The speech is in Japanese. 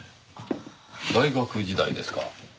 大学時代ですか？